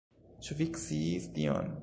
Ĉu vi sciis tion?